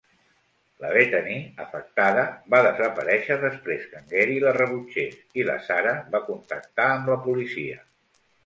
La Bethany, afectada, va desaparèixer després que en Gary la rebutgés i la Sarah va contactar amb la policia.